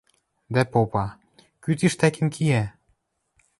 Дӓ попа: «Кӱ тиштӓкен киӓ?